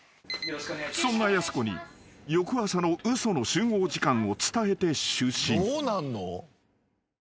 ［そんなやす子に翌朝の嘘の集合時間を伝えて就寝］